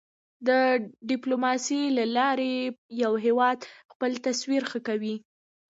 د ډیپلوماسی له لارې یو هېواد خپل تصویر ښه کوی.